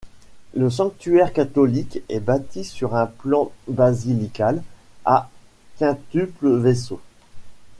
Le sanctuaire catholique est bâti sur un plan basilical à quintuple vaisseau.